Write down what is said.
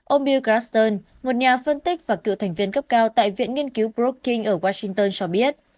ông bill graston một nhà phân tích và cựu thành viên cấp cao tại viện nghiên cứu brookings ở washington cho biết